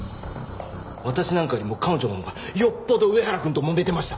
私なんかよりも彼女のほうがよっぽど上原くんともめてました！